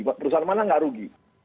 perusahaan mana nggak rugi